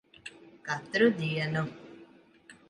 Katru dienu.